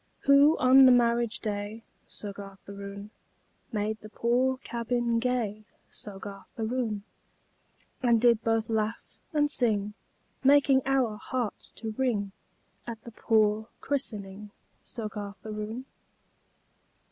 Who, on the marriage day, Soggarth Aroon, Made the poor cabin gay, Soggarth Aroon; And did both laugh and sing, Making our hearts to ring, At the poor christening, Soggarth Aroon?